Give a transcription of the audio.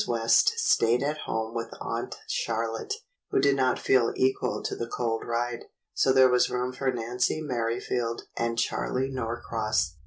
West stayed at home with Aunt Charlotte, who did not feel equal to the cold ride, so there was room for Nancy Merrifield and Charley Norcross.